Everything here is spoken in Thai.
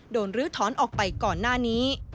ลื้อถอนออกไปก่อนหน้านี้